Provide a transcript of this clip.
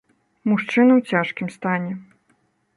Мужчына ў цяжкім стане.